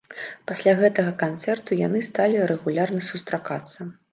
Пасля гэтага канцэрту яны сталі рэгулярна сустракацца.